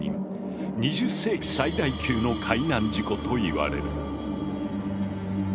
２０世紀最大級の海難事故といわれる。